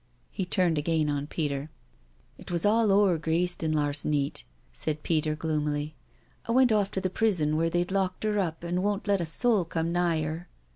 He turned again on Peter. •• It wus all over Greyston lars' nect," said Peter gloomily. " I went off to the prison where they've locked 'er up and won* let a soul cum nigh 'er.